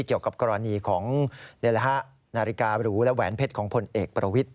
เกี่ยวกับกรณีของนาฬิการูและแหวนเพชรของผลเอกประวิทธิ